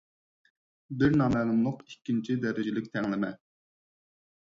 بىر نامەلۇملۇق ئىككىنچى دەرىجىلىك تەڭلىمە